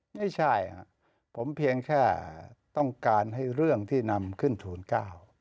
ไม่ใช่ครับผมเพียงแค่ต้องการให้เรื่องที่นำขึ้นทูลเก้า